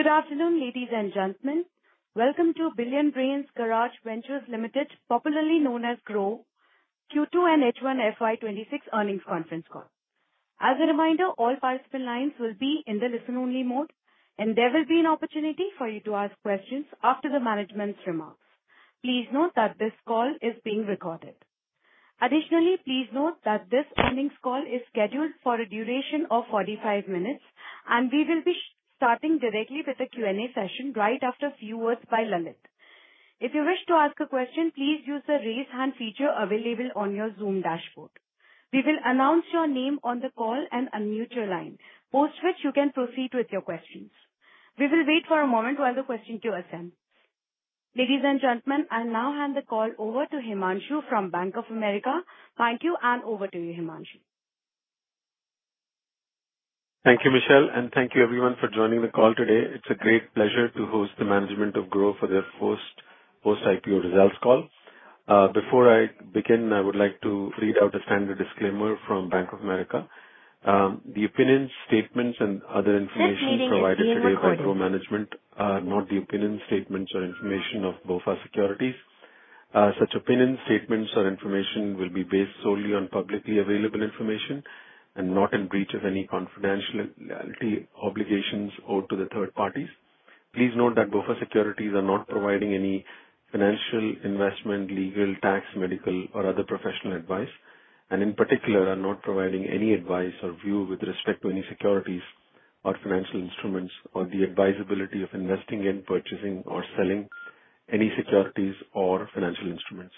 Good afternoon, ladies and gentlemen. Welcome to Billionbrains Garage Ventures Limited, popularly known as Groww, Q2 and H1FY 2026 earnings conference call. As a reminder, all participant lines will be in the listen-only mode, and there will be an opportunity for you to ask questions after the management's remarks. Please note that this call is being recorded. Additionally, please note that this earnings call is scheduled for a duration of 45 minutes, and we will be starting directly with the Q&A session right after a few words by Lalit. If you wish to ask a question, please use the raise hand feature available on your Zoom dashboard. We will announce your name on the call and unmute your line, post which you can proceed with your questions. We will wait for a moment while the question queue ascends. Ladies and gentlemen, I now hand the call over to Himanshu from Bank of America. Thank you, and over to you, Himanshu. Thank you, Michelle, and thank you, everyone, for joining the call today. It's a great pleasure to host the management of Groww for their first post-IPO results call. Before I begin, I would like to read out a standard disclaimer from Bank of America. The opinions, statements, and other information provided today by Groww management are not the opinions, statements, or information of BofA Securities. Such opinions, statements, or information will be based solely on publicly available information and not in breach of any confidentiality obligations owed to third parties. Please note that BofA Securities are not providing any financial, investment, legal, tax, medical, or other professional advice, and in particular, are not providing any advice or view with respect to any securities or financial instruments or the advisability of investing in, purchasing, or selling any securities or financial instruments.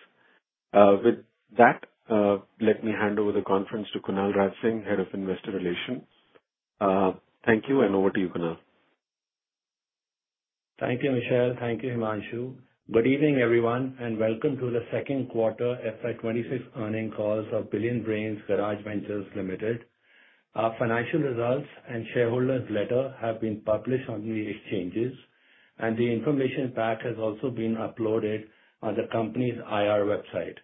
With that, let me hand over the conference to Kunalraj Singh, Head of Investor Relations. Thank you, and over to you, Kunal. Thank you, Michelle. Thank you, Himanshu. Good evening, everyone, and welcome to the second quarter FY 2026 earnings calls of Billionbrains Garage Ventures Limited. Our financial results and shareholders' letter have been published on the exchanges, and the information pack has also been uploaded on the company's IR website.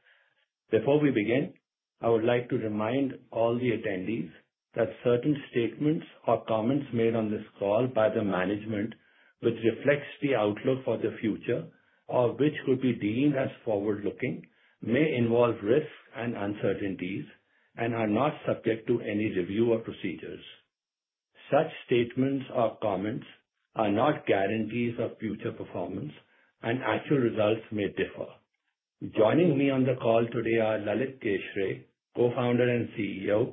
Before we begin, I would like to remind all the attendees that certain statements or comments made on this call by the management, which reflects the outlook for the future or which could be deemed as forward-looking, may involve risks and uncertainties and are not subject to any review or procedures. Such statements or comments are not guarantees of future performance, and actual results may differ. Joining me on the call today are Lalit Keshre, Co-founder and CEO;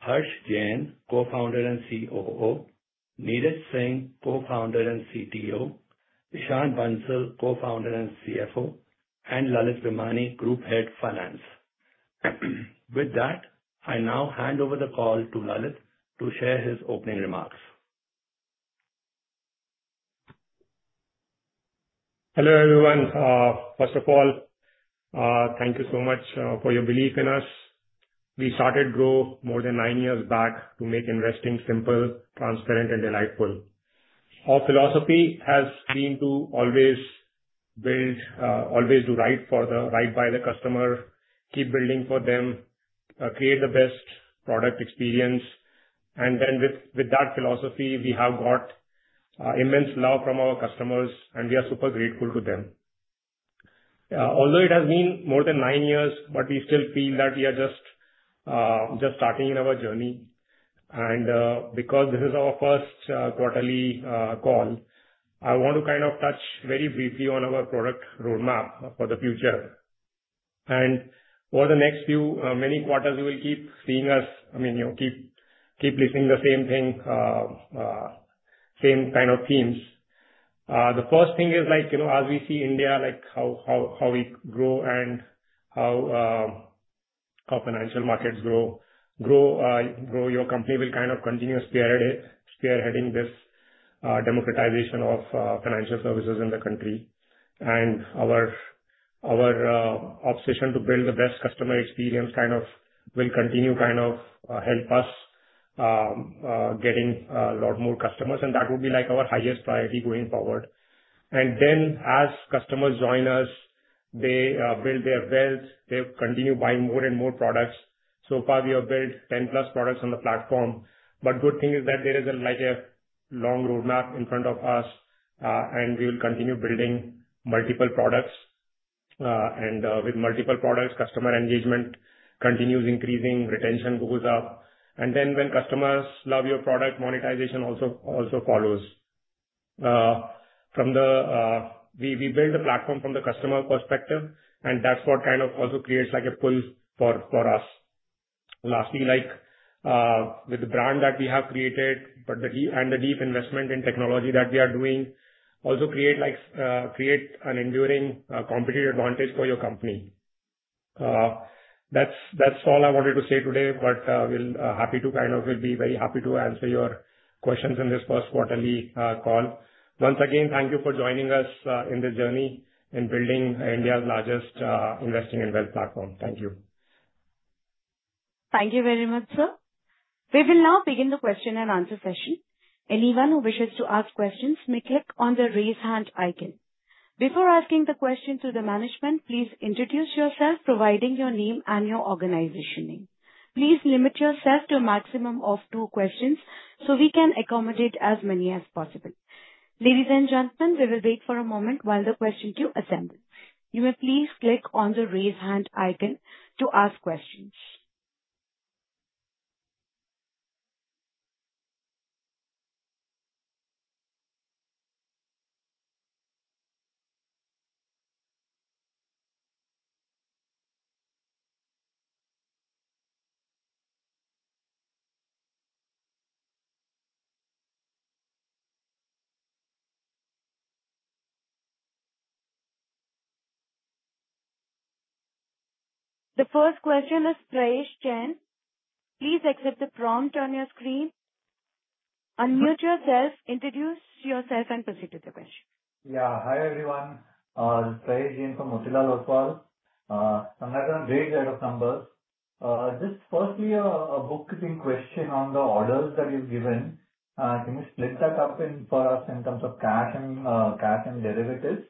Harsh Jain, Co-founder and COO; Neeraj Singh, Co-founder and CTO; Ishan Bansal, Co-founder and CFO; and Lalit Bhimani, Group Head, Finance. With that, I now hand over the call to Lalit to share his opening remarks. Hello, everyone. First of all, thank you so much for your belief in us. We started Groww more than nine years back to make investing simple, transparent, and delightful. Our philosophy has been to always build, always do right by the customer, keep building for them, create the best product experience. With that philosophy, we have got immense love from our customers, and we are super grateful to them. Although it has been more than nine years, we still feel that we are just starting our journey. Because this is our first quarterly call, I want to kind of touch very briefly on our product roadmap for the future. For the next few, many quarters, you will keep seeing us, I mean, keep listening to the same thing, same kind of themes. The first thing is, as we see India, how we grow and how financial markets grow, your company will kind of continue spearheading this democratization of financial services in the country. Our obsession to build the best customer experience kind of will continue to kind of help us getting a lot more customers. That would be our highest priority going forward. As customers join us, they build their wealth. They continue buying more and more products. So far, we have built 10-plus products on the platform. The good thing is that there is a long roadmap in front of us, and we will continue building multiple products. With multiple products, customer engagement continues increasing, retention goes up. When customers love your product, monetization also follows. We build the platform from the customer perspective, and that is what kind of also creates a pull for us. Lastly, with the brand that we have created and the deep investment in technology that we are doing, also create an enduring competitive advantage for your company. That is all I wanted to say today, but we will be very happy to answer your questions in this first quarterly call. Once again, thank you for joining us in this journey in building India's largest investing and wealth platform. Thank you. Thank you very much, sir. We will now begin the question and answer session. Anyone who wishes to ask questions may click on the raise hand icon. Before asking the question to the management, please introduce yourself, providing your name and your organization name. Please limit yourself to a maximum of two questions so we can accommodate as many as possible. Ladies and gentlemen, we will wait for a moment while the question queue assembles. You may please click on the raise hand icon to ask questions. The first question is Prayesh Jain. Please accept the prompt on your screen. Unmute yourself, introduce yourself, and proceed to the question. Yeah. Hi, everyone. This is Prayesh Jain from Motilal Oswal. I'm not a big head of numbers. Just firstly, a bookkeeping question on the orders that you've given. Can you split that up for us in terms of cash and derivatives?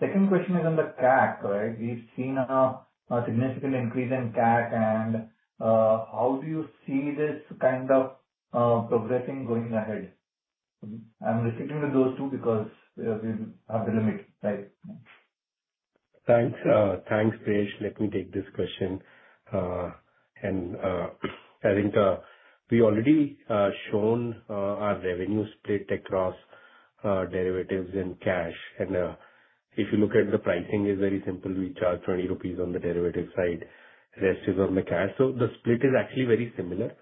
Second question is on the CAC, right? We've seen a significant increase in CAC, and how do you see this kind of progressing going ahead? I'm restricting to those two because we have the limit, right? Thanks. Thanks, Prayesh. Let me take this question. I think we already showed our revenue split across derivatives and cash. If you look at the pricing, it is very simple. We charge 20 rupees on the derivative side. The rest is on the cash. The split is actually very similar.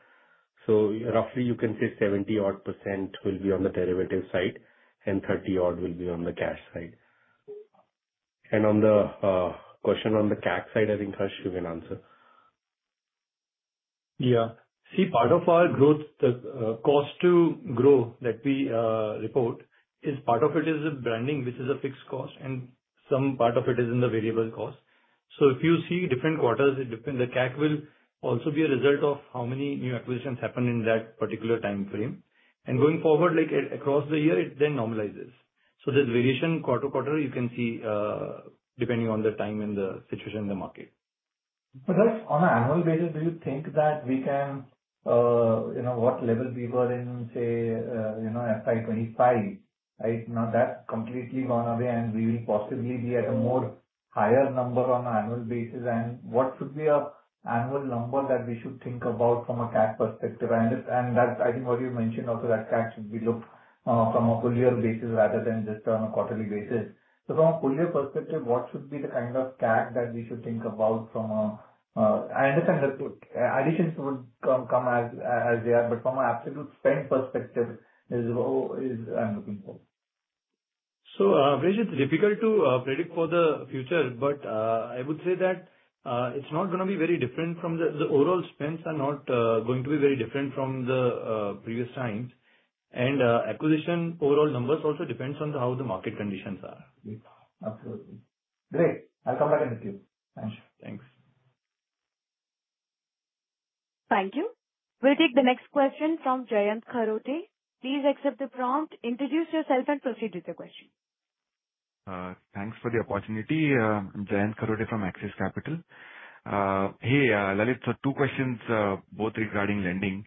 Roughly, you can say 70-odd % will be on the derivative side, and 30-odd will be on the cash side. On the question on the CAC side, I think Harsh, you can answer. Yeah. See, part of our growth, the cost to grow that we report, part of it is branding, which is a fixed cost, and some part of it is in the variable cost. If you see different quarters, the CAC will also be a result of how many new acquisitions happen in that particular time frame. Going forward, across the year, it then normalizes. There is variation quarter to quarter. You can see depending on the time and the situation in the market. On an annual basis, do you think that we can what level we were in, say, FY 2025, right? Now that's completely gone away, and we will possibly be at a more higher number on an annual basis. What would be an annual number that we should think about from a CAC perspective? I understand that I think what you mentioned also that CAC should be looked from a full-year basis rather than just on a quarterly basis. From a full-year perspective, what should be the kind of CAC that we should think about from a I understand that additions would come as they are, but from an absolute spend perspective, what are you looking for? It's difficult to predict for the future, but I would say that it's not going to be very different from the overall spends, are not going to be very different from the previous times. Acquisition overall numbers also depend on how the market conditions are. Absolutely. Great. I'll come back and meet you. Thanks. Thanks. Thank you. We'll take the next question from Jayant Kharote. Please accept the prompt, introduce yourself, and proceed with the question. Thanks for the opportunity. Jayant Kharote from Axis Capital. Hey, Lalit, so two questions, both regarding lending.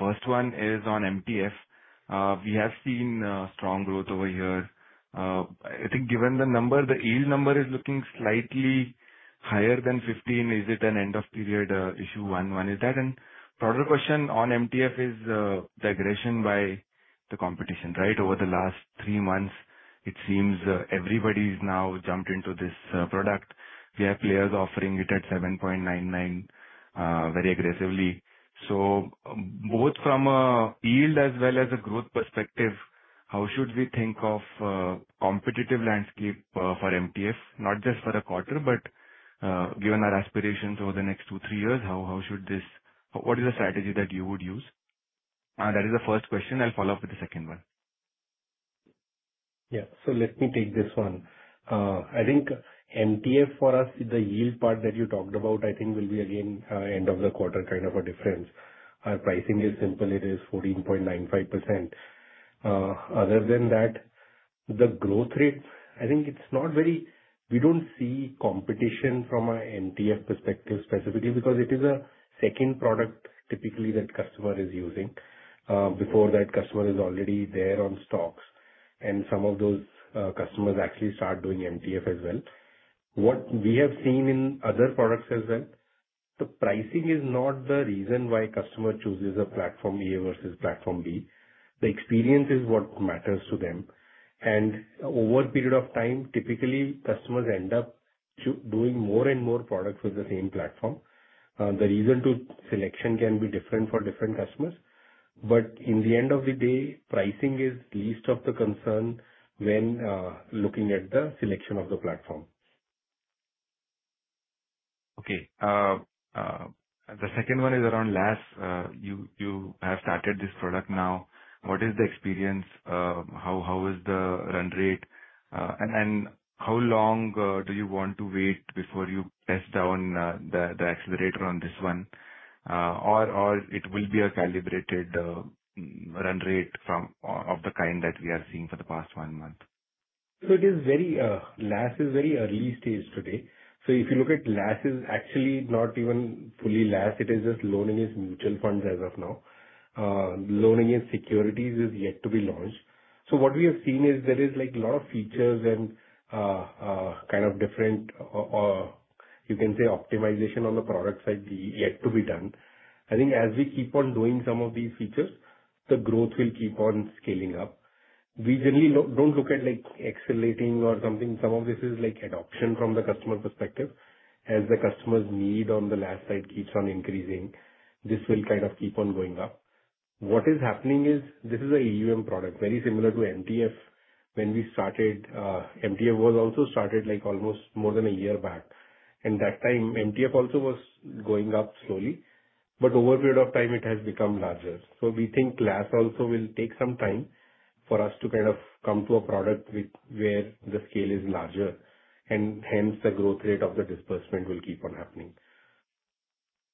First one is on MTF. We have seen strong growth over here. I think given the number, the yield number is looking slightly higher than 15%. Is it an end-of-period issue? Is that a broader question? On MTF is the aggression by the competition, right? Over the last three months, it seems everybody's now jumped into this product. We have players offering it at 7.99% very aggressively. Both from a yield as well as a growth perspective, how should we think of the competitive landscape for MTF, not just for a quarter, but given our aspirations over the next two, three years, how should this, what is the strategy that you would use? That is the first question. I'll follow up with the second one. Yeah. Let me take this one. I think MTF for us, the yield part that you talked about, I think will be again end of the quarter kind of a difference. Our pricing is simple. It is 14.95%. Other than that, the growth rate, I think it's not very, we don't see competition from an MTF perspective specifically because it is a second product typically that the customer is using. Before that, the customer is already there on stocks, and some of those customers actually start doing MTF as well. What we have seen in other products as well, the pricing is not the reason why customer chooses a platform A versus platform B. The experience is what matters to them. Over a period of time, typically, customers end up doing more and more products with the same platform. The reason to selection can be different for different customers. In the end of the day, pricing is least of the concern when looking at the selection of the platform. Okay. The second one is around LAS. You have started this product now. What is the experience? How is the run rate? How long do you want to wait before you press down the accelerator on this one? Or it will be a calibrated run rate of the kind that we are seeing for the past one month? Last is very early stage today. If you look at LAS, it's actually not even fully LAS. It is just loaning its mutual funds as of now. Loaning its securities is yet to be launched. What we have seen is there are a lot of features and different, you can say, optimization on the product side yet to be done. I think as we keep on doing some of these features, the growth will keep on scaling up. We generally do not look at accelerating or something. Some of this is adoption from the customer perspective. As the customer's need on the LAS side keeps on increasing, this will kind of keep on going up. What is happening is this is an AUM product, very similar to MTF. When we started, MTF was also started almost more than a year back. At that time, MTF also was going up slowly. Over a period of time, it has become larger. We think LAS also will take some time for us to kind of come to a product where the scale is larger. Hence, the growth rate of the disbursement will keep on happening.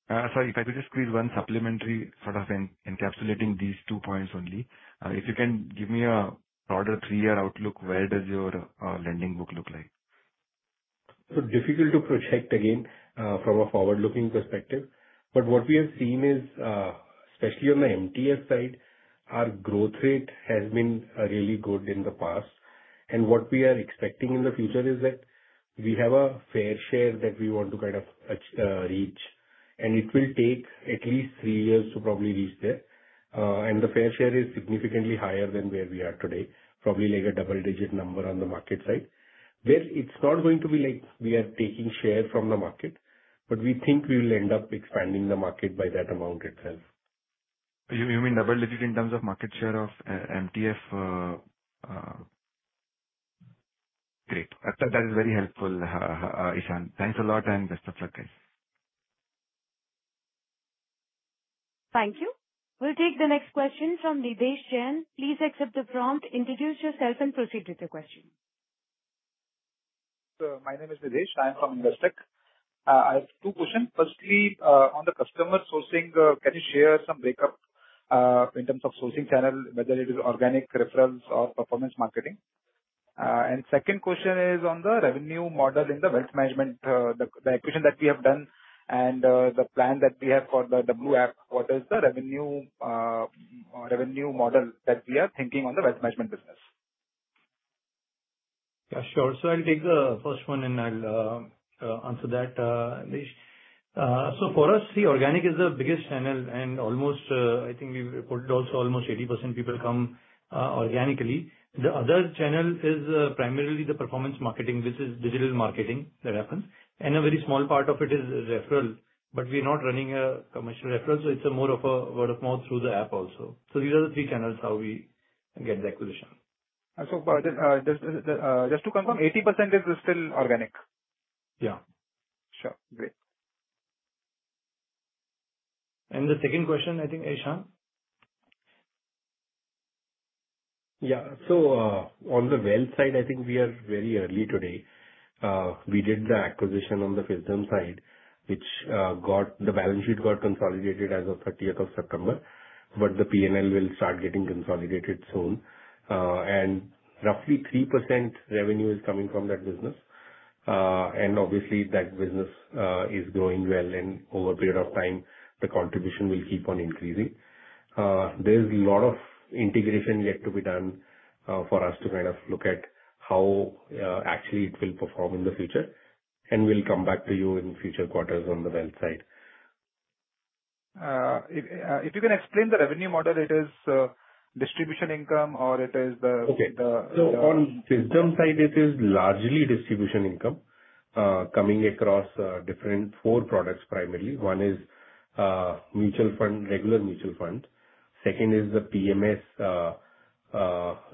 Sorry, if I could just squeeze one supplementary sort of encapsulating these two points only. If you can give me a broader three-year outlook, where does your lending book look like? is difficult to project again from a forward-looking perspective. What we have seen is, especially on the MTF side, our growth rate has been really good in the past. What we are expecting in the future is that we have a fair share that we want to kind of reach. It will take at least three years to probably reach there. The fair share is significantly higher than where we are today, probably like a double-digit number on the market side. It is not going to be like we are taking share from the market, but we think we will end up expanding the market by that amount itself. You mean double-digit in terms of market share of MTF? Great. That is very helpful, Ishan. Thanks a lot and best of luck, guys. Thank you. We'll take the next question from Nitesh Jain. Please accept the prompt, introduce yourself, and proceed with the question. My name is Nitesh. I'm from Industric. I have two questions. Firstly, on the customer sourcing, can you share some breakup in terms of sourcing channel, whether it is organic referrals or performance marketing? Second question is on the revenue model in the wealth management, the equation that we have done and the plan that we have for the W app. What is the revenue model that we are thinking on the wealth management business? Yeah, sure. I'll take the first one and I'll answer that, Nitesh. For us, organic is the biggest channel. I think we reported also almost 80% people come organically. The other channel is primarily the performance marketing, which is digital marketing that happens. A very small part of it is referral. We're not running a commercial referral, so it's more of a word of mouth through the app also. These are the three channels how we get the acquisition. Just to confirm, 80% is still organic? Yeah. Sure. Great. The second question, I think, Ishan? Yeah. On the wealth side, I think we are very early today. We did the acquisition on the Fisdom side, which got the balance sheet consolidated as of 30 September. The P&L will start getting consolidated soon. Roughly 3% revenue is coming from that business. Obviously, that business is growing well. Over a period of time, the contribution will keep on increasing. There is a lot of integration yet to be done for us to kind of look at how actually it will perform in the future. We will come back to you in future quarters on the wealth side. If you can explain the revenue model, it is distribution income or it is the? Okay. On Fisdom side, it is largely distribution income coming across different four products primarily. One is regular mutual funds. Second is the PMS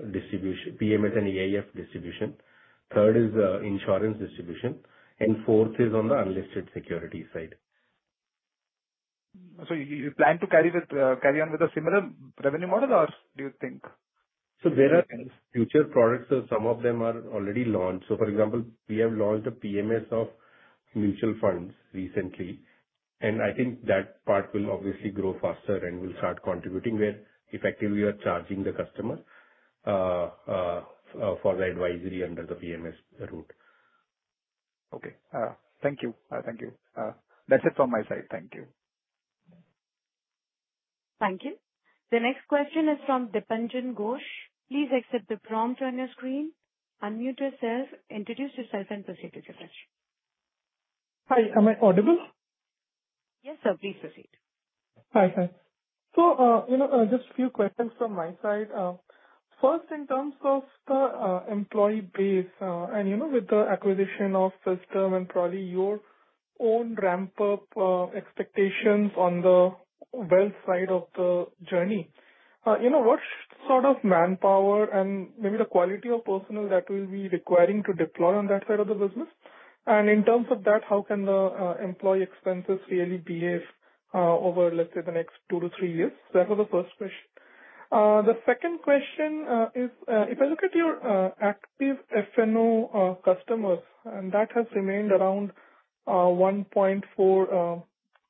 and AIF distribution. Third is insurance distribution. Fourth is on the unlisted security side. Do you plan to carry on with a similar revenue model or do you think? There are future products. Some of them are already launched. For example, we have launched a PMS of mutual funds recently. I think that part will obviously grow faster and will start contributing where effectively we are charging the customer for the advisory under the PMS route. Okay. Thank you. Thank you. That's it from my side. Thank you. Thank you. The next question is from Dipanjan Ghosh. Please accept the prompt on your screen. Unmute yourself, introduce yourself, and proceed with your question. Hi. Am I audible? Yes, sir. Please proceed. Hi. Hi. Just a few questions from my side. First, in terms of the employee base and with the acquisition of Fisdom and probably your own ramp-up expectations on the wealth side of the journey, what sort of manpower and maybe the quality of personnel that will be required to deploy on that side of the business? In terms of that, how can the employee expenses really behave over, let's say, the next two to three years? That was the first question. The second question is, if I look at your active F&O customers, and that has remained around 1.4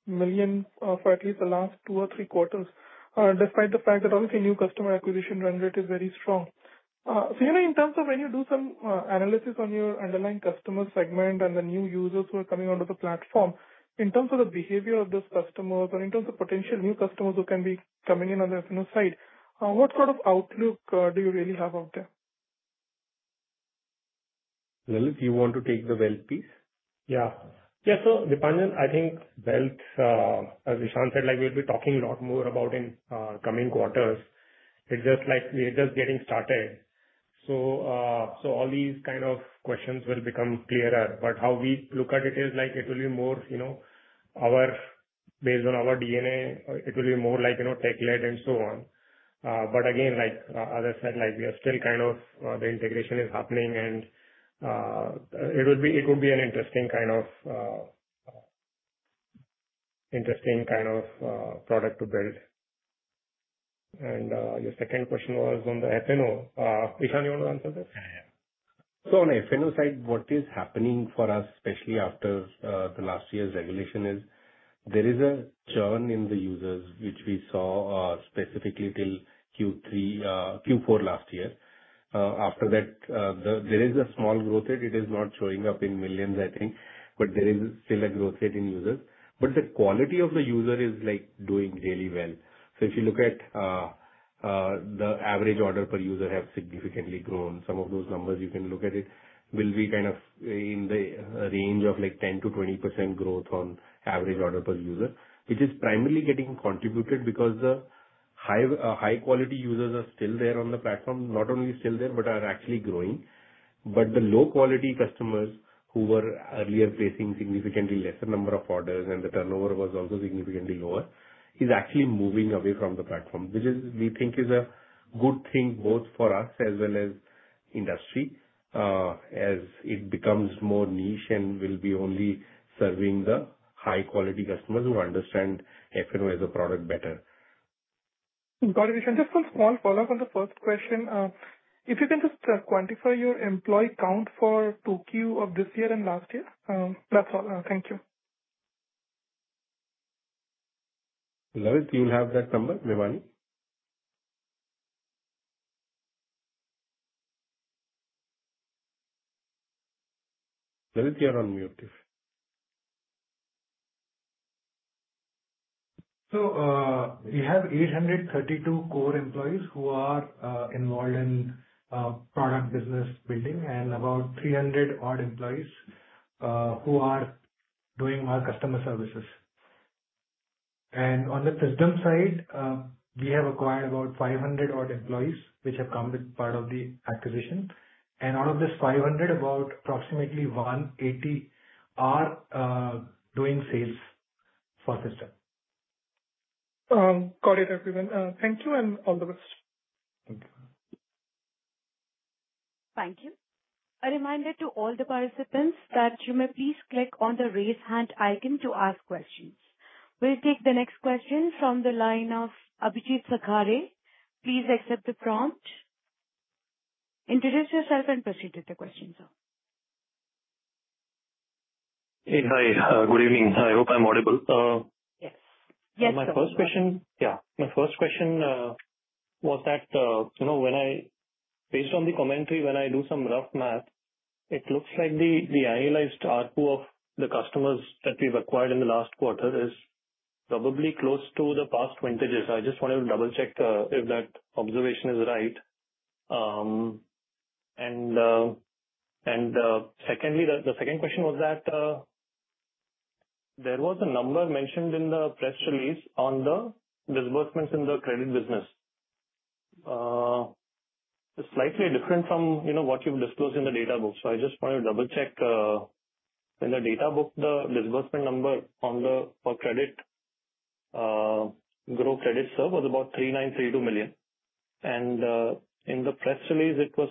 million for at least the last two or three quarters, despite the fact that obviously new customer acquisition rendered is very strong. In terms of when you do some analysis on your underlying customer segment and the new users who are coming onto the platform, in terms of the behavior of those customers or in terms of potential new customers who can be coming in on the F&O side, what sort of outlook do you really have out there? Lalit, you want to take the wealth piece? Yeah. Yeah. Dipanjan, I think wealth, as Ishan said, we'll be talking a lot more about in coming quarters. It's just getting started. All these kind of questions will become clearer. How we look at it is it will be more based on our DNA. It will be more tech-led and so on. As I said, we are still kind of the integration is happening. It would be an interesting kind of product to build. Your second question was on the F&O. Ishan, you want to answer this? Yeah. On the F&O side, what is happening for us, especially after last year's regulation, is there is a churn in the users, which we saw specifically till Q4 last year. After that, there is a small growth rate. It is not showing up in millions, I think, but there is still a growth rate in users. The quality of the user is doing really well. If you look at the average order per user, it has significantly grown. Some of those numbers, you can look at it, will be kind of in the range of 10-20% growth on average order per user, which is primarily getting contributed because the high-quality users are still there on the platform, not only still there, but are actually growing. The low-quality customers who were earlier placing significantly lesser number of orders and the turnover was also significantly lower is actually moving away from the platform, which we think is a good thing both for us as well as industry as it becomes more niche and will be only serving the high-quality customers who understand F&O as a product better. Got it, Ishan. Just one small follow-up on the first question. If you can just quantify your employee count for Q2 of this year and last year. That's all. Thank you. Lalit, you'll have that number, Bhimani? Lalit, you're on mute. We have 832 core employees who are involved in product business building and about 300-odd employees who are doing our customer services. On the Fisdom side, we have acquired about 500-odd employees, which have come with part of the acquisition. Out of this 500, about approximately 180 are doing sales for Fisdom. Got it, everyone. Thank you and all the best. Thank you. Thank you. A reminder to all the participants that you may please click on the raise hand icon to ask questions. We'll take the next question from the line of Abhijit Sakkhare. Please accept the prompt. Introduce yourself and proceed with the questions. Hey, hi. Good evening. I hope I'm audible. Yes. Yes, sir. My first question was that when I, based on the commentary, when I do some rough math, it looks like the annualized RPU of the customers that we've acquired in the last quarter is probably close to the past vintages. I just wanted to double-check if that observation is right. Secondly, the second question was that there was a number mentioned in the press release on the disbursements in the credit business. It's slightly different from what you've disclosed in the data book. I just wanted to double-check. In the data book, the disbursement number for Groww credit service was about 3,932 million. In the press release, it was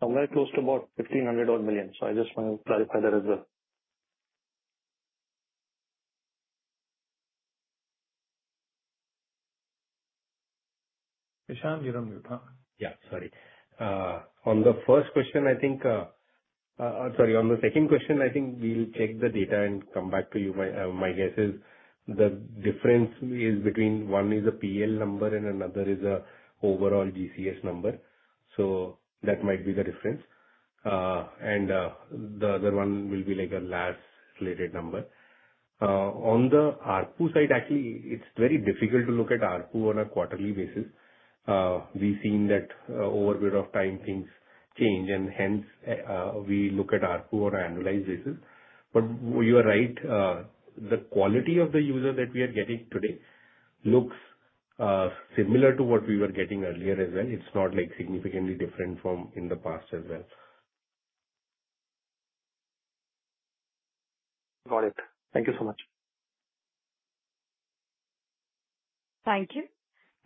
somewhere close to about 1,500-odd million. I just wanted to clarify that as well. Ishan, you're on mute. Yeah, sorry. On the first question, I think, sorry, on the second question, I think we'll check the data and come back to you. My guess is the difference is between one is a PL number and another is an overall GCS number. That might be the difference. The other one will be like a last-related number. On the RPU side, actually, it's very difficult to look at RPU on a quarterly basis. We've seen that over a period of time, things change. Hence, we look at RPU on an annualized basis. You are right. The quality of the user that we are getting today looks similar to what we were getting earlier as well. It's not significantly different from in the past as well. Got it. Thank you so much. Thank you.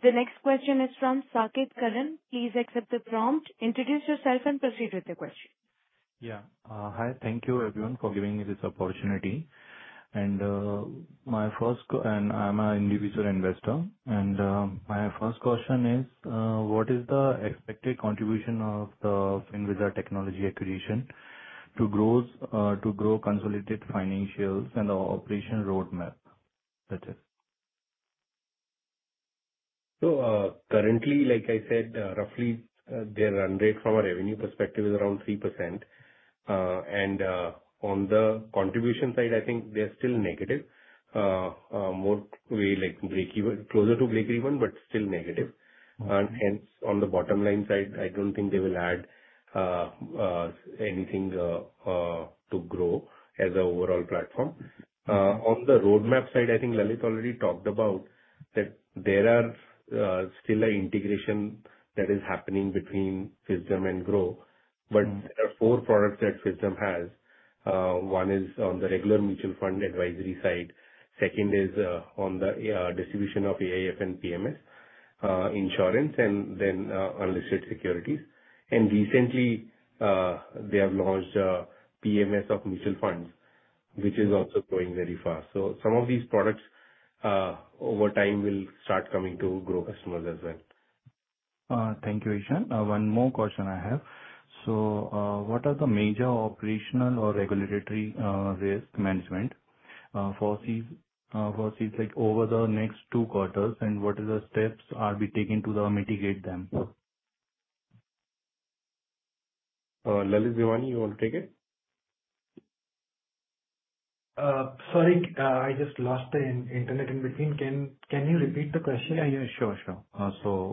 The next question is from Sarkit Karan. Please accept the prompt. Introduce yourself and proceed with the question. Yeah. Hi. Thank you, everyone, for giving me this opportunity. I'm an individual investor. My first question is, what is the expected contribution of Fisdom technology acquisition to Groww consolidated financials and the operation roadmap? That's it. Currently, like I said, roughly their run rate from a revenue perspective is around 3%. On the contribution side, I think they're still negative, more closer to break even, but still negative. Hence, on the bottom line side, I don't think they will add anything to Groww as an overall platform. On the roadmap side, I think Lalit already talked about that there is still an integration that is happening between Fisdom and Groww. There are four products that Fisdom has. One is on the regular mutual fund advisory side. Second is on the distribution of AIF and PMS, insurance, and then unlisted securities. Recently, they have launched a PMS of mutual funds, which is also going very fast. Some of these products over time will start coming to Groww customers as well. Thank you, Ishan. One more question I have. What are the major operational or regulatory risk management forces over the next two quarters? What are the steps that are being taken to mitigate them? Lalit, Bhimani, you want to take it? Sorry, I just lost the internet in between. Can you repeat the question? Yeah, yeah. Sure, sure.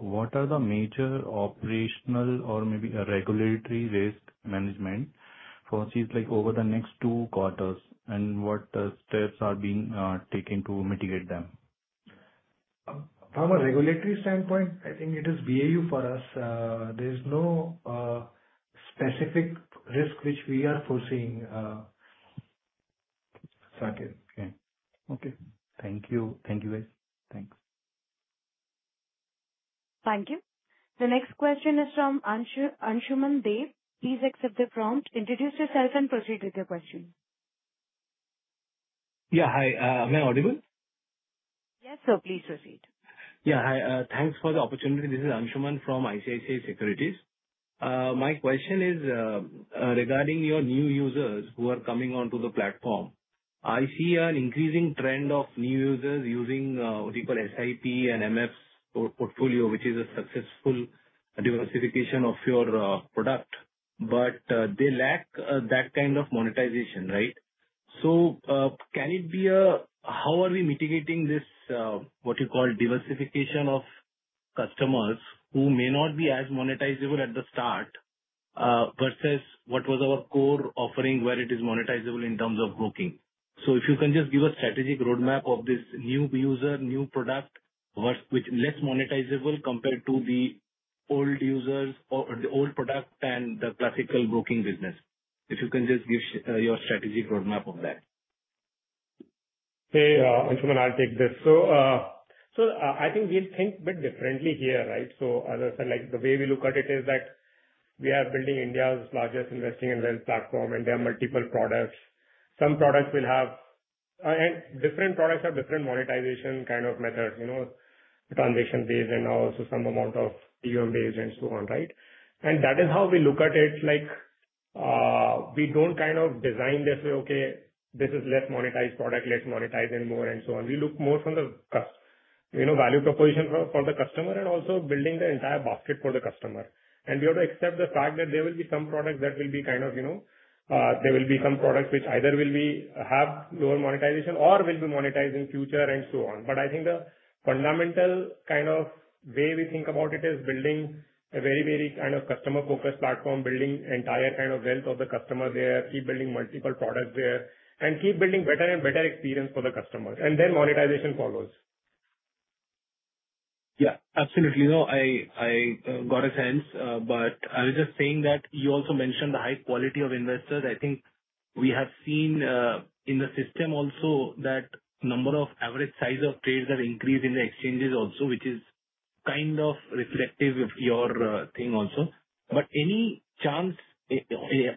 What are the major operational or maybe regulatory risk management forces over the next two quarters? What steps are being taken to mitigate them? From a regulatory standpoint, I think it is BAU for us. There's no specific risk which we are foreseeing. Sarkit, yeah. Okay. Thank you. Thank you, guys. Thanks. Thank you. The next question is from Ansuman Deb. Please accept the prompt. Introduce yourself and proceed with your question. Yeah. Hi. Am I audible? Yes, sir. Please proceed. Yeah. Hi. Thanks for the opportunity. This is Anshuman from ICICI Securities. My question is regarding your new users who are coming onto the platform. I see an increasing trend of new users using what you call SIP and MF portfolio, which is a successful diversification of your product. They lack that kind of monetization, right? Can it be a how are we mitigating this, what you call diversification of customers who may not be as monetizable at the start versus what was our core offering where it is monetizable in terms of broking? If you can just give a strategic roadmap of this new user, new product with less monetizable compared to the old users or the old product and the classical broking business. If you can just give your strategic roadmap of that. Hey, Anshuman, I'll take this. I think we'll think a bit differently here, right? As I said, the way we look at it is that we are building India's largest investing and wealth platform, and there are multiple products. Some products will have different products have different monetization kind of methods, transaction-based and also some amount of PM-based and so on, right? That is how we look at it. We don't kind of design this way, "Okay, this is less monetized product, less monetized and more," and so on. We look more from the value proposition for the customer and also building the entire basket for the customer. We have to accept the fact that there will be some products that will be kind of there will be some products which either will have lower monetization or will be monetized in the future and so on. I think the fundamental kind of way we think about it is building a very, very kind of customer-focused platform, building the entire kind of wealth of the customer there, keep building multiple products there, and keep building better and better experience for the customers. Then monetization follows. Yeah, absolutely. No, I got a sense. I was just saying that you also mentioned the high quality of investors. I think we have seen in the system also that number of average size of trades have increased in the exchanges also, which is kind of reflective of your thing also. Any chance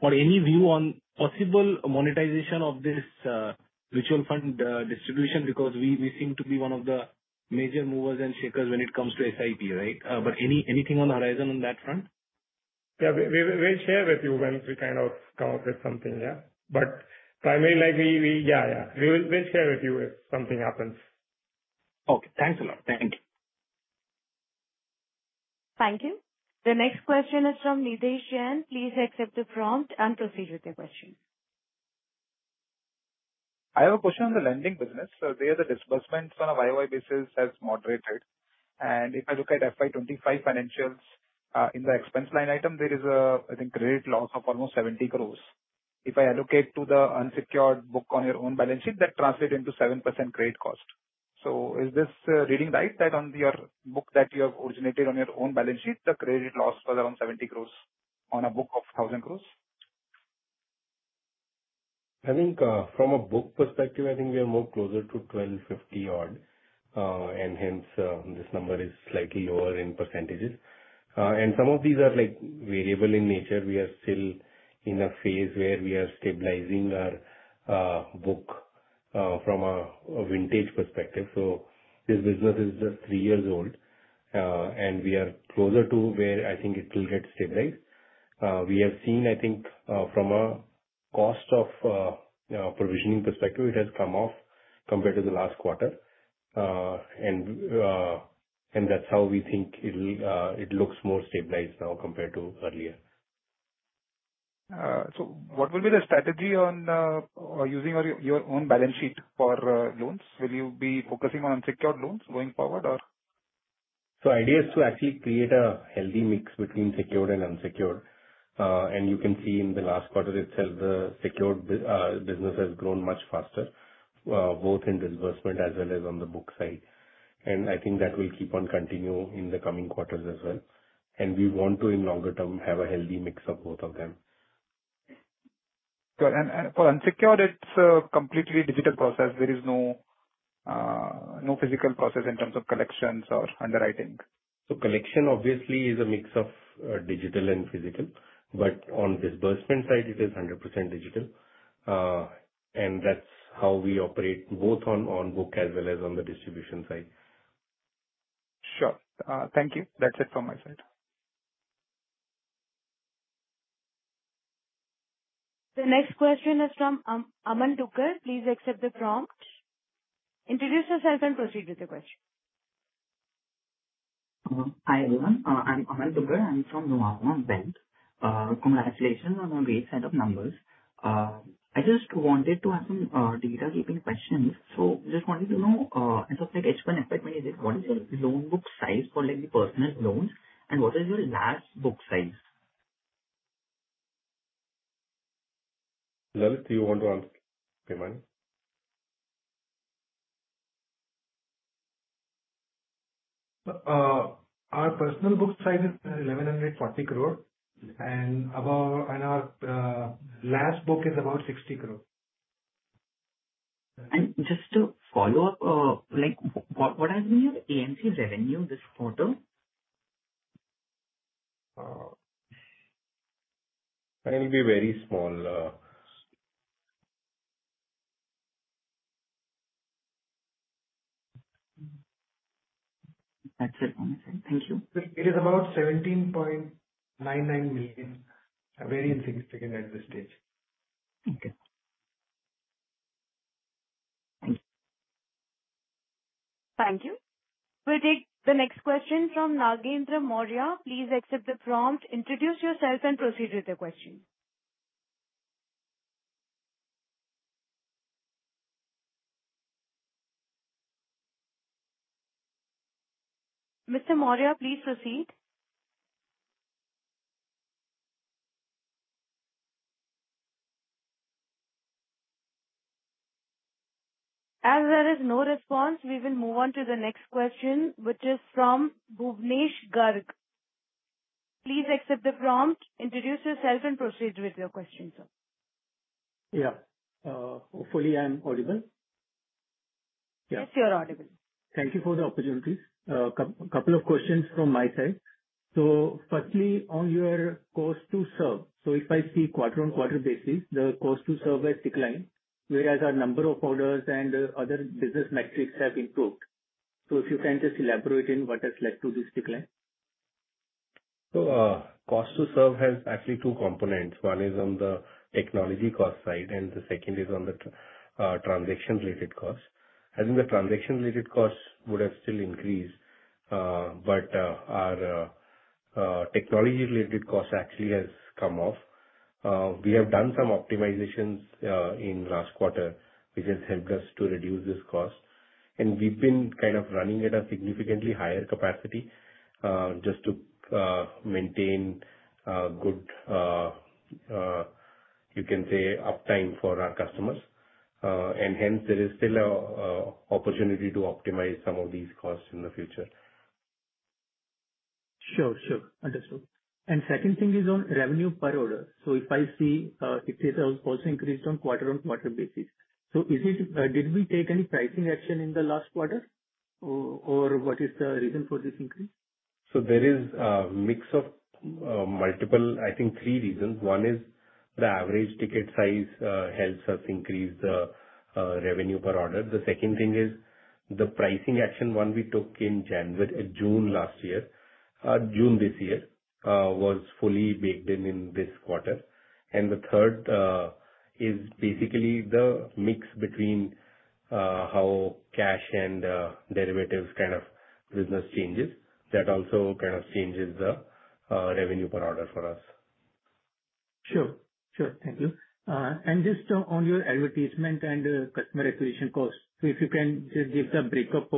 or any view on possible monetization of this mutual fund distribution? Because we seem to be one of the major movers and shakers when it comes to SIP, right? Anything on the horizon on that front? Yeah. We'll share with you when we kind of come up with something, yeah? Primarily, yeah. We'll share with you if something happens. Okay. Thanks a lot. Thank you. Thank you. The next question is from Nitesh Jain. Please accept the prompt and proceed with the question. I have a question on the lending business. The disbursements on a year-over-year basis have moderated. If I look at FY 2025 financials in the expense line item, there is, I think, credit loss of almost 70 crore. If I allocate to the unsecured book on your own balance sheet, that translates into 7% credit cost. Is this reading right that on your book that you have originated on your own balance sheet, the credit loss was around 70 crore on a book of 1,000 crore? I think from a book perspective, I think we are more closer to 1,250-odd. Hence, this number is slightly lower in %. Some of these are variable in nature. We are still in a phase where we are stabilizing our book from a vintage perspective. This business is just three years old. We are closer to where I think it will get stabilized. We have seen, I think, from a cost of provisioning perspective, it has come off compared to the last quarter. That is how we think it looks more stabilized now compared to earlier. What will be the strategy on using your own balance sheet for loans? Will you be focusing on unsecured loans going forward or? The idea is to actually create a healthy mix between secured and unsecured. You can see in the last quarter itself, the secured business has grown much faster, both in disbursement as well as on the book side. I think that will keep on continuing in the coming quarters as well. We want to, in longer term, have a healthy mix of both of them. Got it. For unsecured, it's a completely digital process. There is no physical process in terms of collections or underwriting. Collection, obviously, is a mix of digital and physical. On the disbursement side, it is 100% digital. That's how we operate both on book as well as on the distribution side. Sure. Thank you. That's it from my side. The next question is from Aman Duggal. Please accept the prompt. Introduce yourself and proceed with the question. Hi, everyone. I'm Aman Duggal. I'm from Nomura Bank. Congratulations on a great set of numbers. I just wanted to have some data-keeping questions. I just wanted to know, as of H1 FY25, what is your loan book size for the personal loans? And what is your LAS book size? Lalit, do you want to answer? Bhimani? Our personal book size is 1,140 crore. Our last book is about 60 crore. Just to follow up, what has been your AMC revenue this quarter? That will be very small. That's it. Thank you. It is about 17.99 million. Very insignificant at this stage. Okay. Thank you. We'll take the next question from Nagendra Maurya. Please accept the prompt. Introduce yourself and proceed with the question. Mr. Maurya, please proceed. As there is no response, we will move on to the next question, which is from Bhuvnesh Garg. Please accept the prompt. Introduce yourself and proceed with your question, sir. Yeah. Hopefully, I'm audible. Yes, you're audible. Thank you for the opportunity. A couple of questions from my side. Firstly, on your cost to serve. If I see quarter-on-quarter basis, the cost to serve has declined, whereas our number of orders and other business metrics have improved. If you can just elaborate on what has led to this decline. Cost to serve has actually two components. One is on the technology cost side, and the second is on the transaction-related cost. I think the transaction-related cost would have still increased, but our technology-related cost actually has come off. We have done some optimizations in the last quarter, which has helped us to reduce this cost. We've been kind of running at a significantly higher capacity just to maintain good, you can say, uptime for our customers. Hence, there is still an opportunity to optimize some of these costs in the future. Sure, sure. Understood. The second thing is on revenue per order. If I see tickets have also increased on a quarter-on-quarter basis. Did we take any pricing action in the last quarter? What is the reason for this increase? There is a mix of multiple, I think, three reasons. One is the average ticket size helps us increase the revenue per order. The second thing is the pricing action, one we took in June last year, June this year, was fully baked in this quarter. The third is basically the mix between how cash and derivatives kind of business changes. That also kind of changes the revenue per order for us. Sure, sure. Thank you. Just on your advertisement and customer acquisition cost, if you can just give the breakup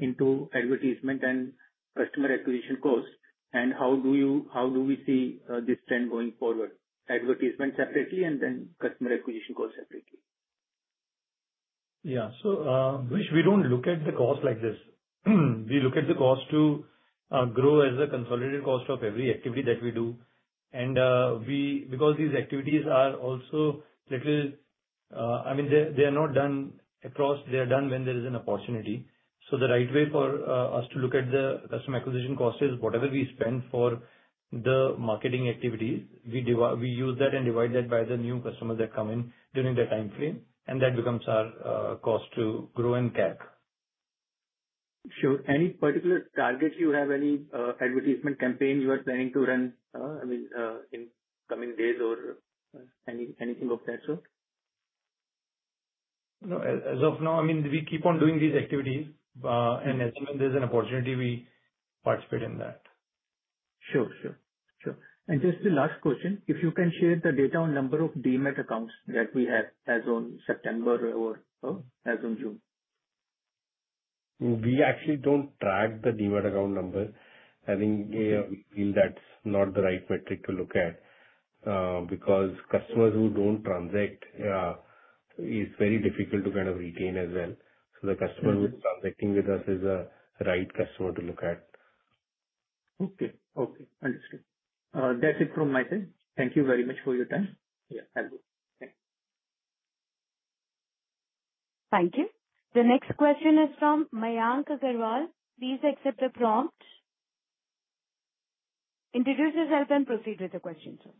into advertisement and customer acquisition cost, and how do we see this trend going forward? Advertisement separately and then customer acquisition cost separately. Yeah. We do not look at the cost like this. We look at the cost to Groww as a consolidated cost of every activity that we do. I mean, they are not done across; they are done when there is an opportunity. The right way for us to look at the customer acquisition cost is whatever we spend for the marketing activities, we use that and divide that by the new customers that come in during the timeframe. That becomes our cost to Groww and CAC. Sure. Any particular target you have? Any advertisement campaign you are planning to run, I mean, in coming days or anything of that sort? No. As of now, I mean, we keep on doing these activities. As soon as there's an opportunity, we participate in that. Sure. Sure. Just the last question, if you can share the data on number of demat accounts that we have as of September or as of June. We actually don't track the demat account number. I think we feel that's not the right metric to look at because customers who don't transact is very difficult to kind of retain as well. The customer who's transacting with us is a right customer to look at. Okay. Okay. Understood. That's it from my side. Thank you very much for your time. Yeah. Have a good day. Thank you. The next question is from Mayank Agarwal. Please accept the prompt. Introduce yourself and proceed with the question, sir.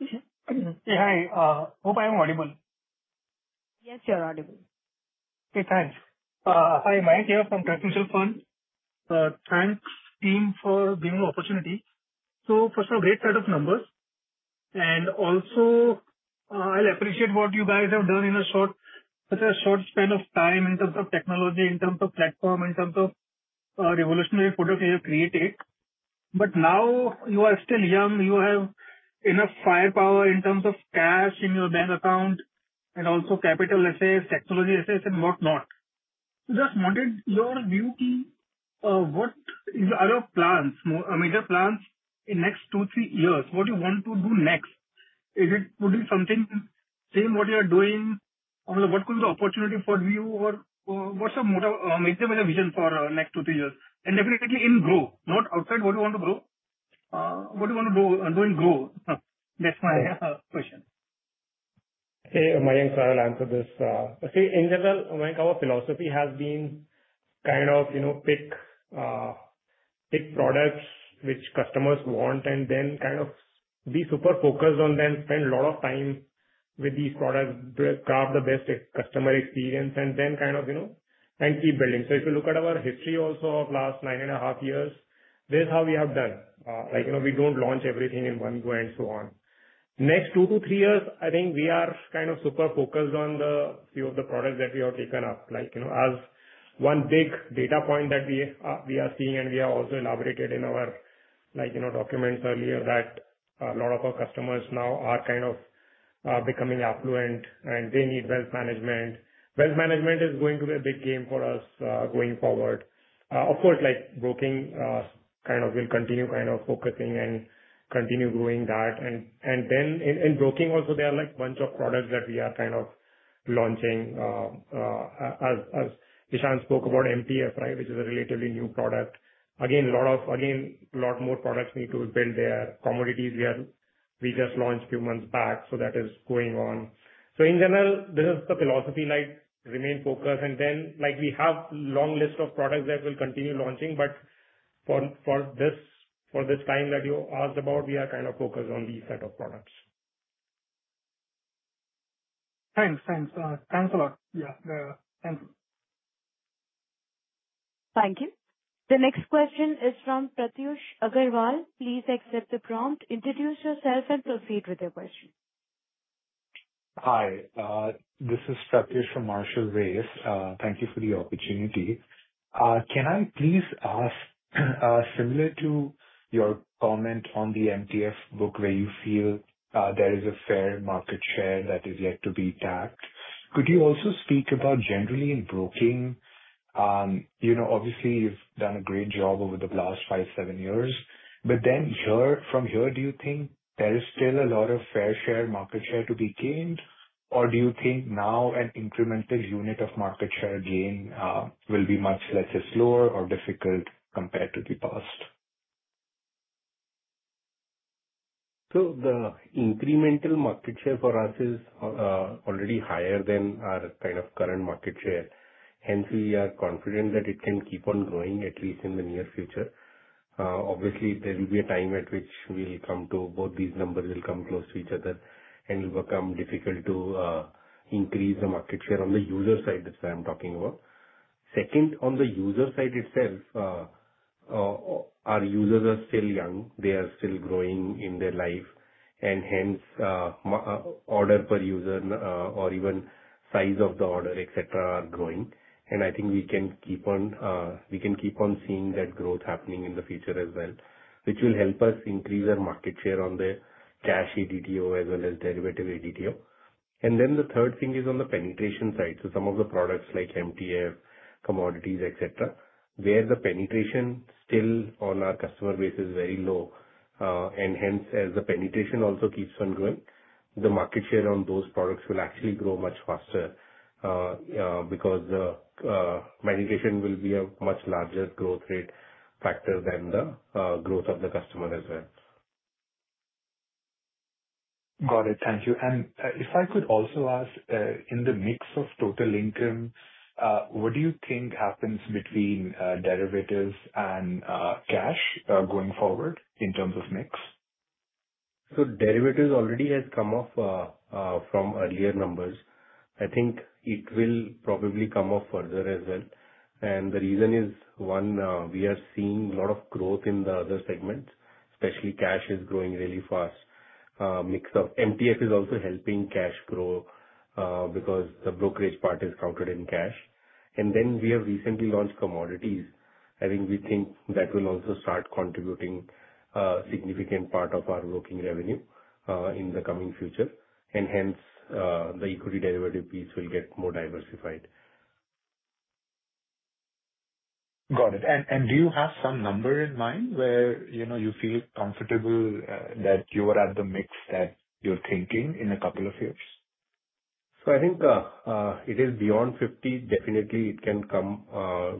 Yeah. Hi. Hope I am audible. Yes, you're audible. Okay. Thanks. Hi, Mayank here from Trust Mutual Fund. Thanks, team, for giving me the opportunity. First of all, great set of numbers. I also appreciate what you guys have done in a short span of time in terms of technology, in terms of platform, in terms of revolutionary product you have created. You are still young. You have enough firepower in terms of cash in your bank account and also capital assets, technology assets, and whatnot. I just wanted your view to what are your plans, I mean, your plans in the next two-three years? What do you want to do next? Is it putting something same what you are doing? What could be the opportunity for you? What's your major vision for the next two-three years? Definitely in Groww, not outside. What do you want to grow? What do you want to do in Groww? That's my question. Okay. Mayank, so I'll answer this. See, in general, Mayank, our philosophy has been kind of pick products which customers want and then kind of be super focused on them, spend a lot of time with these products, craft the best customer experience, and then kind of keep building. If you look at our history also of last nine and a half years, this is how we have done. We don't launch everything in one go and so on. Next two to three years, I think we are kind of super focused on a few of the products that we have taken up. As one big data point that we are seeing, and we have also elaborated in our documents earlier, a lot of our customers now are kind of becoming affluent, and they need wealth management. Wealth management is going to be a big game for us going forward. Of course, Groww kind of will continue kind of focusing and continue growing that. In Groww also, there are a bunch of products that we are kind of launching. As Ishan spoke about MTF, right, which is a relatively new product. Again, a lot more products need to build there. Commodities, we just launched a few months back. That is going on. In general, this is the philosophy: remain focused. We have a long list of products that we'll continue launching. For this time that you asked about, we are kind of focused on these set of products. Thanks a lot. Thanks. Thank you. The next question is from Pratyush Agarwal. Please accept the prompt. Introduce yourself and proceed with the question. Hi. This is Pratyush from Marshall Race. Thank you for the opportunity. Can I please ask, similar to your comment on the MTF book where you feel there is a fair market share that is yet to be tapped, could you also speak about generally in Groww? Obviously, you've done a great job over the last five to seven years. From here, do you think there is still a lot of fair share, market share to be gained? Do you think now an incremental unit of market share gain will be much lesser, slower, or difficult compared to the past? The incremental market share for us is already higher than our kind of current market share. Hence, we are confident that it can keep on growing, at least in the near future. Obviously, there will be a time at which we'll come to both these numbers will come close to each other, and it will become difficult to increase the market share on the user side that I'm talking about. Second, on the user side itself, our users are still young. They are still growing in their life. Hence, order per user or even size of the order, etc., are growing. I think we can keep on seeing that growth happening in the future as well, which will help us increase our market share on the cash ADTO as well as derivative ADTO. The third thing is on the penetration side. Some of the products like MTF, commodities, etc., where the penetration still on our customer base is very low. Hence, as the penetration also keeps on growing, the market share on those products will actually grow much faster because the penetration will be a much larger growth rate factor than the growth of the customer as well. Got it. Thank you. If I could also ask, in the mix of Total Income, what do you think happens between derivatives and cash going forward in terms of mix? Derivatives already has come off from earlier numbers. I think it will probably come off further as well. The reason is, one, we are seeing a lot of growth in the other segments, especially cash is growing really fast. Mix of MTF is also helping cash grow because the brokerage part is counted in cash. We have recently launched commodities. I think we think that will also start contributing a significant part of our working revenue in the coming future. Hence, the equity derivative piece will get more diversified. Got it. Do you have some number in mind where you feel comfortable that you are at the mix that you're thinking in a couple of years? I think it is beyond 50. Definitely, it can come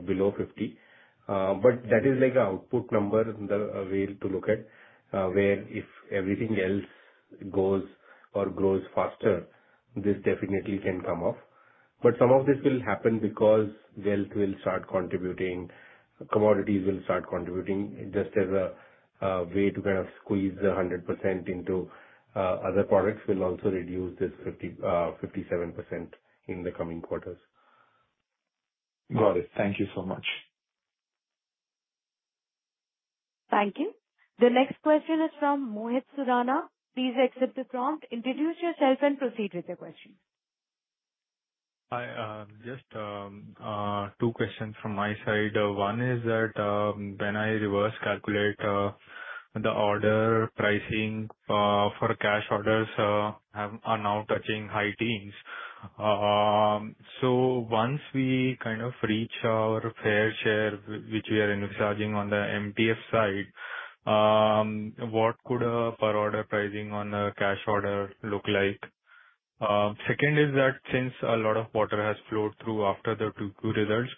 below 50. That is like an output number, the way to look at, where if everything else goes or grows faster, this definitely can come off. Some of this will happen because wealth will start contributing, commodities will start contributing. Just as a way to kind of squeeze the 100% into other products will also reduce this 57% in the coming quarters. Got it. Thank you so much. Thank you. The next question is from Mohit Surana. Please accept the prompt. Introduce yourself and proceed with the question. Hi. Just two questions from my side. One is that when I reverse calculate the order pricing for cash orders are now touching high teens. Once we kind of reach our fair share, which we are envisaging on the MTF side, what could per order pricing on the cash order look like? Second is that since a lot of water has flowed through after the 2Q results,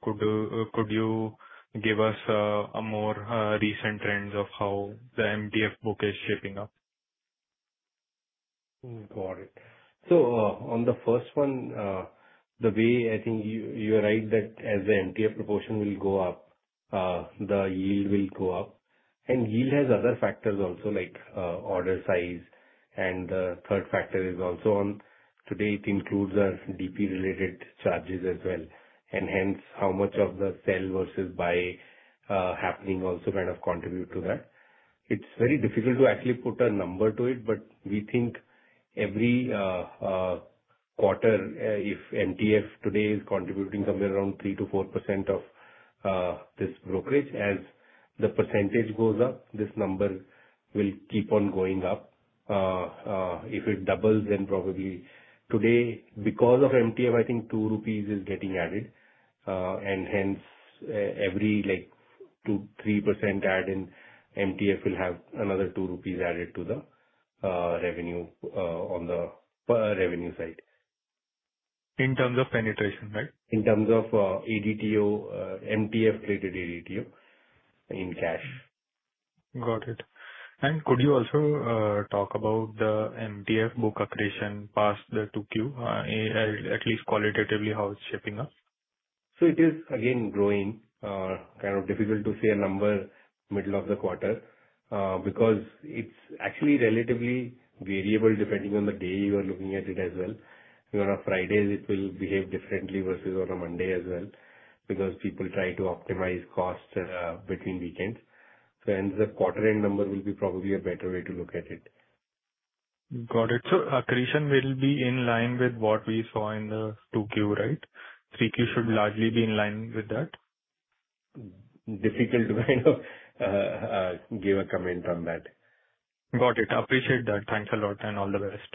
could you give us more recent trends of how the MTF book is shaping up? Got it. On the first one, the way I think you are right that as the MTF proportion will go up, the yield will go up. Yield has other factors also, like order size. The third factor is also on today, it includes our DP-related charges as well. Hence, how much of the sell versus buy happening also kind of contribute to that. It's very difficult to actually put a number to it, but we think every quarter, if MTF today is contributing somewhere around 3%-4% of this brokerage, as the percentage goes up, this number will keep on going up. If it doubles, then probably today, because of MTF, I think 2 rupees is getting added. Hence, every 2%-3% add in MTF will have another 2 rupees added to the revenue on the revenue side. In terms of penetration, right? In terms of MTF-related ADTO in cash. Got it. Could you also talk about the MTF book accretion past the 2Q, at least qualitatively, how it's shaping up? It is, again, growing. Kind of difficult to see a number middle of the quarter because it's actually relatively variable depending on the day you are looking at it as well. On a Friday, it will behave differently versus on a Monday as well because people try to optimize cost between weekends. Hence, the quarter-end number will be probably a better way to look at it. Got it. Accretion will be in line with what we saw in the 2Q, right? 3Q should largely be in line with that? Difficult to kind of give a comment on that. Got it. Appreciate that. Thanks a lot and all the best.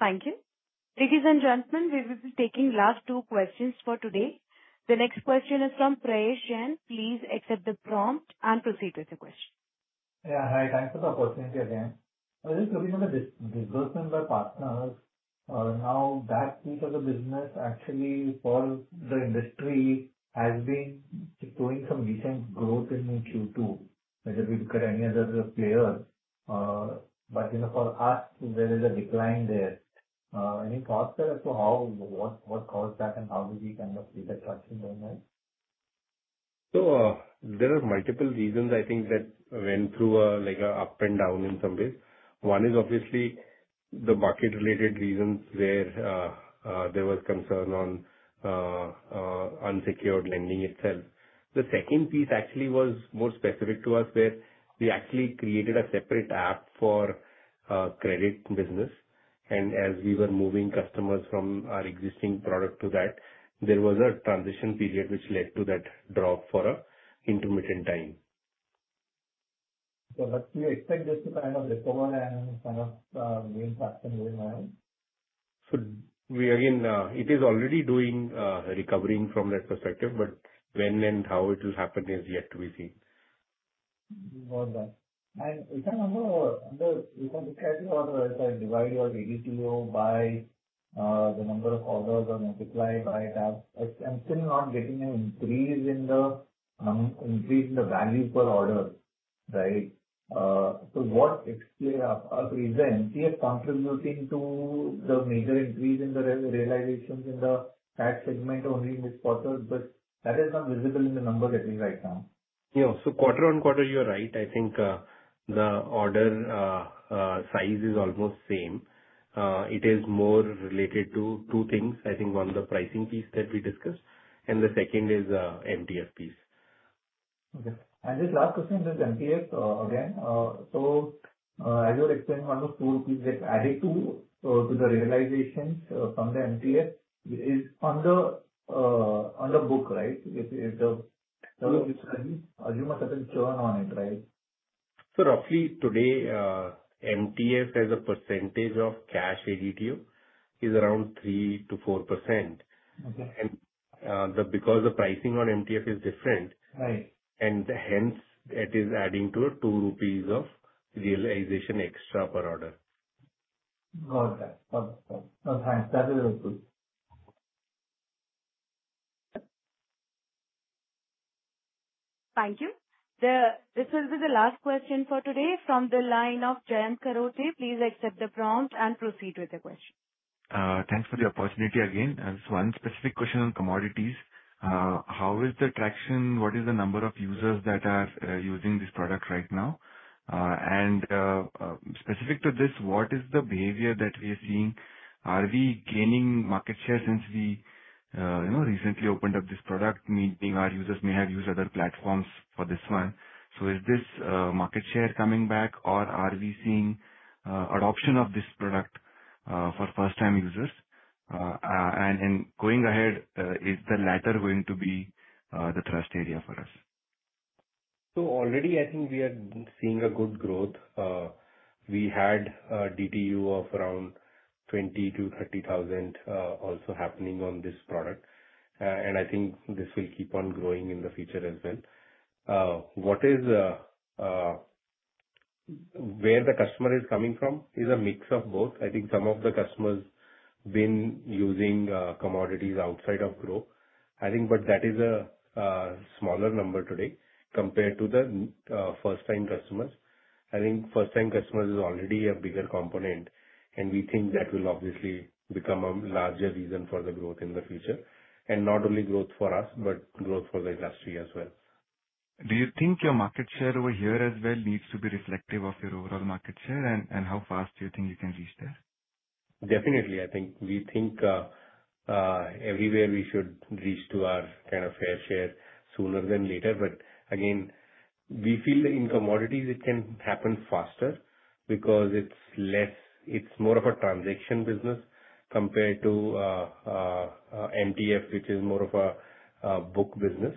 Thank you. Ladies and gentlemen, we will be taking last two questions for today. The next question is from Prayesh Jain. Please accept the prompt and proceed with the question. Yeah. Hi. Thanks for the opportunity again. I think looking at the disbursement by partners, now that piece of the business actually for the industry has been doing some decent growth in Q2. If you look at any other player, but for us, there is a decline there. Any thoughts there as to what caused that and how did we kind of see the traction going ahead? There are multiple reasons, I think, that went through an up and down in some ways. One is obviously the bucket-related reasons where there was concern on unsecured lending itself. The second piece actually was more specific to us where we actually created a separate app for credit business. As we were moving customers from our existing product to that, there was a transition period which led to that drop for an intermittent time. Do you expect this to kind of recover and kind of gain traction going ahead? Again, it is already doing recovering from that perspective, but when and how it will happen is yet to be seen. Got that. If I look at your, if I divide your ADTO by the number of orders or multiply by that, I'm still not getting an increase in the value per order, right? Is the MTF contributing to the major increase in the realizations in that segment only in this quarter? That is not visible in the numbers at least right now. Yeah. Quarter on quarter, you are right. I think the order size is almost the same. It is more related to two things. I think one is the pricing piece that we discussed, and the second is the MTF piece. Okay. Just last question is MTF again. As you were explaining, almost INR 2 that added to the realizations from the MTF is on the book, right? You must have a churn on it, right? Roughly today, MTF as a percentage of cash ADTO is around 3-4%. Because the pricing on MTF is different, it is adding to 2 rupees of realization extra per order. Got that. Okay. Thanks. That is good. Thank you. This will be the last question for today from the line of Jayant Kharote. Please accept the prompt and proceed with the question. Thanks for the opportunity again. Just one specific question on commodities. How is the traction? What is the number of users that are using this product right now? Specific to this, what is the behavior that we are seeing? Are we gaining market share since we recently opened up this product, meaning our users may have used other platforms for this one? Is this market share coming back, or are we seeing adoption of this product for first-time users? Going ahead, is the latter going to be the thrust area for us? Already, I think we are seeing a good growth. We had a DTU of around 20,000-30,000 also happening on this product. I think this will keep on growing in the future as well. Where the customer is coming from is a mix of both. I think some of the customers have been using commodities outside of Groww, I think, but that is a smaller number today compared to the first-time customers. I think first-time customers is already a bigger component. We think that will obviously become a larger reason for the growth in the future. Not only growth for us, but growth for the industry as well. Do you think your market share over here as well needs to be reflective of your overall market share? How fast do you think you can reach there? Definitely. I think we think everywhere we should reach to our kind of fair share sooner than later. Again, we feel in commodities, it can happen faster because it's more of a transaction business compared to MTF, which is more of a book business.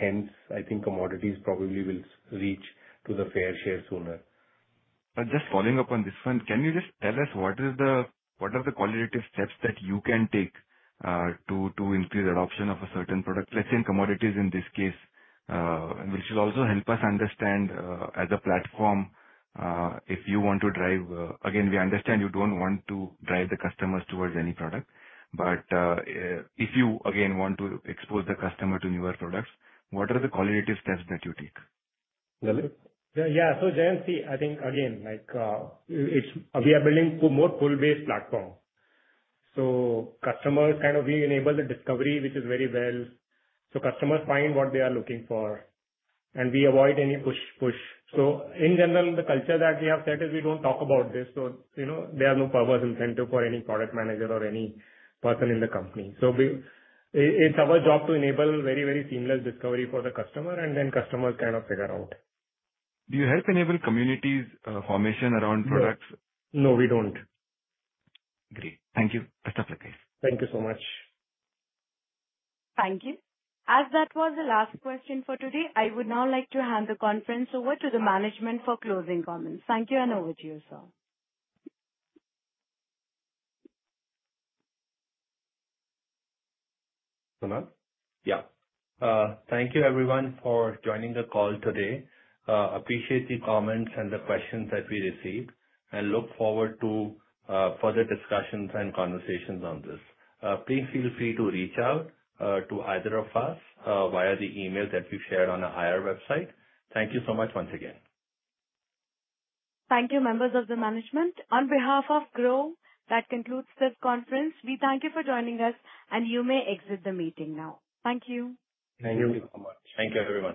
Hence, I think commodities probably will reach to the fair share sooner. Just following up on this one, can you just tell us what are the qualitative steps that you can take to increase adoption of a certain product? Let's say in commodities in this case, which will also help us understand as a platform if you want to drive. Again, we understand you don't want to drive the customers towards any product. If you again want to expose the customer to newer products, what are the qualitative steps that you take? Yeah. Jayant, see, I think again, we are building a more pull-based platform. Customers kind of, we enable the discovery, which is very well. Customers find what they are looking for. We avoid any push. In general, the culture that we have set is we do not talk about this. There are no purpose incentive for any product manager or any person in the company. It is our job to enable very, very seamless discovery for the customer, and then customers kind of figure out. Do you help enable communities' formation around products? No, we don't. Great. Thank you. That's all for today. Thank you so much. Thank you. As that was the last question for today, I would now like to hand the conference over to the management for closing comments. Thank you and over to you, sir. Thank you, everyone, for joining the call today. Appreciate the comments and the questions that we received. Look forward to further discussions and conversations on this. Please feel free to reach out to either of us via the email that we've shared on our IR website. Thank you so much once again. Thank you, members of the management. On behalf of Groww, that concludes this conference. We thank you for joining us, and you may exit the meeting now. Thank you. Thank you so much. Thank you, everyone.